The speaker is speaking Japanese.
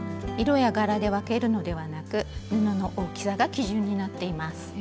色や柄で分けるのではなく布の大きさが基準になっています。